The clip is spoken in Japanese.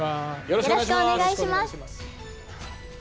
よろしくお願いします。